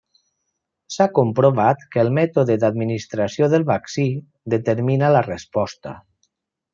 S'ha comprovat que el mètode d'administració del vaccí determina la resposta.